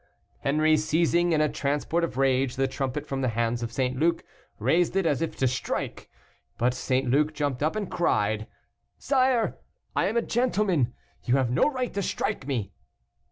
Henri, seizing, in a transport of rage, the trumpet from the hands of St. Luc, raised it as if to strike. But St. Luc jumped up and cried "Sire, I am a gentleman; you have no right to strike me!"